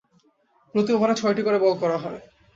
প্রতি ওভারে ছয়টি করে বল করা হয়।